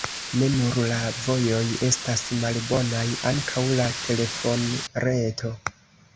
Ne nur la vojoj estas malbonaj, ankaŭ la telefonreto.